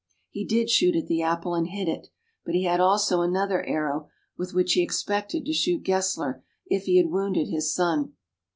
He did shoot at the apple and hit it ; but he had also another arrow, with which he expected to shoot Gessler, if he had wounded his son.